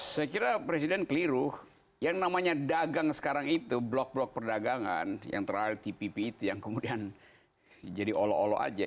saya kira presiden keliru yang namanya dagang sekarang itu blok blok perdagangan yang terakhir tpp itu yang kemudian jadi olo olo aja